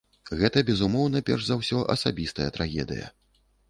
Гэта, безумоўна, перш за ўсё асабістая трагедыя.